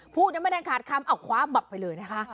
พูดยังไม่ได้ขาดคำเอาคว้าบัตรไปเลยนะคะ